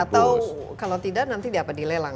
atau kalau tidak nanti dilelang